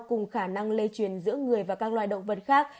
cùng khả năng lây truyền giữa người và các loài động vật khác